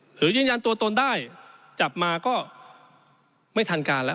หรือยืนยันตัวตนได้แกร่งมือจัดมาก็ไม่ทันการแล้ว